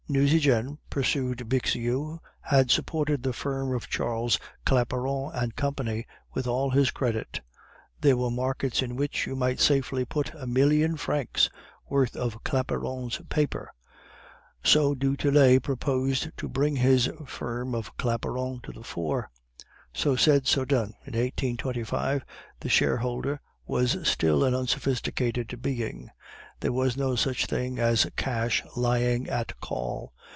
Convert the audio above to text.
"Nucingen," pursued Bixiou, "had supported the firm of Charles Claparon and Company with all his credit. There were markets in which you might safely put a million francs' worth of Claparon's paper. So du Tillet proposed to bring his firm of Claparon to the fore. So said, so done. In 1825 the shareholder was still an unsophisticated being. There was no such thing as cash lying at call.